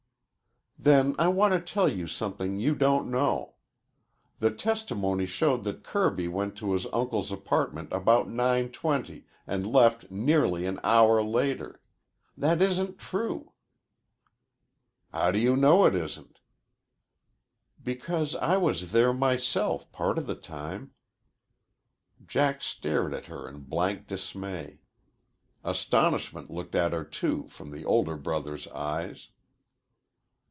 "Then I want to tell you something you don't know. The testimony showed that Kirby went to his uncle's apartment about 9.20 and left nearly an hour later. That isn't true." "How do you know it isn't?" "Because I was there myself part of the time." Jack stared at her in blank dismay. Astonishment looked at her, too, from the older brother's eyes.